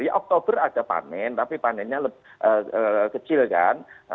di oktober ada panen tapi panennya kecil kan